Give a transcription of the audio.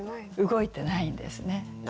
動いてないんですね。